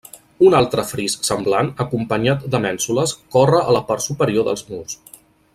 Un altre fris semblant acompanyat de mènsules corre a la part superior dels murs.